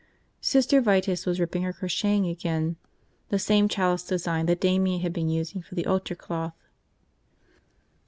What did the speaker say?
Sister Vitus was ripping her crocheting again, the same chalice design that Damian had been using for the altar cloth.